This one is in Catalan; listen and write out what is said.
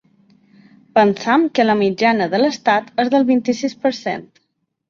Pensem que la mitjana de l’estat és del vint-i-sis per cent.